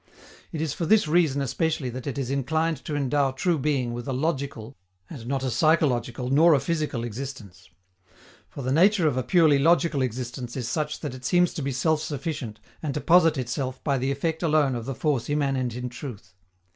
It is for this reason especially that it is inclined to endow true being with a logical, and not a psychological nor a physical existence. For the nature of a purely logical existence is such that it seems to be self sufficient and to posit itself by the effect alone of the force immanent in truth.